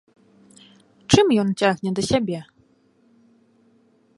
Чым ён цягне да сябе?